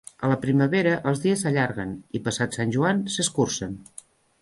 A la primavera els dies s'allarguen i, passat Sant Joan, s'escurcen.